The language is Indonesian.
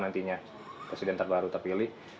nantinya presiden terbaru terpilih